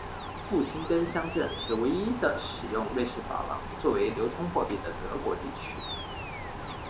布辛根乡镇是唯一的使用瑞士法郎作为流通货币的德国地区。